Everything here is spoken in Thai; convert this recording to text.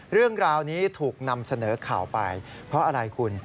เรื่องราวนี้ถูกนำเสนอข่าวไปเพราะอะไรคุณ